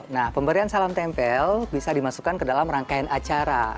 nah pemberian salam tempel bisa dimasukkan ke dalam rangkaian acara